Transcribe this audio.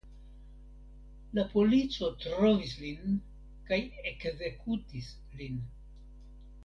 La polico trovis lin kaj ekzekutis lin.